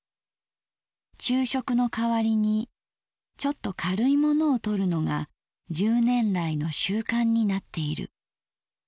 「昼食の代わりにちょっとかるいものをとるのが十年来の習慣になっている。